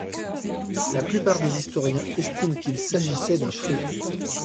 La plupart des historiens estiment qu'il s'agissait d'un faux.